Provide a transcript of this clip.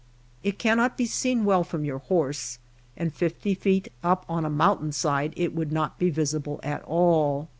It cannot be seen well from your horse, and fifty feet up on a mountain side it would not be visible at all.